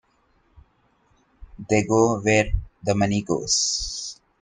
They go where the money goes.